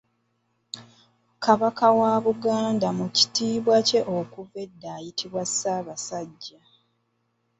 Kabaka w'e Buganda mu kitiibwa kye okuva edda ayitibwa Ssaabasajja.